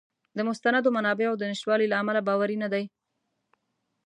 د مستندو منابعو د نشتوالي له امله باوری نه دی.